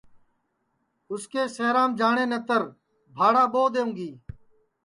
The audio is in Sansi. اُن کے شہر جاٹؔے نتر بھاڑا ٻو دؔونگی